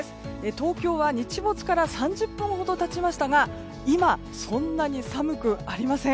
東京は、日没から３０分ほど経ちましたが今、そんなに寒くありません。